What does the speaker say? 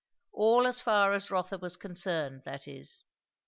All as far as Rotha was concerned, that is.